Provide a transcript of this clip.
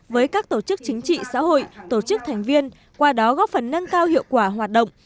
với các tổ chức chính trị xã hội tổ chức thành viên qua đó góp phần nâng cao hiệu quả hoạt động